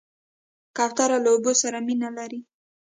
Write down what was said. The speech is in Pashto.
کوتره له اوبو سره مینه لري.